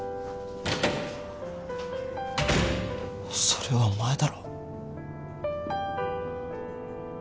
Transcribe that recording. それはお前だろ。